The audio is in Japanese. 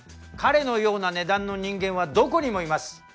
彼のような値段の人間はどこにもいます。